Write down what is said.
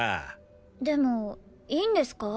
でもいいんですか？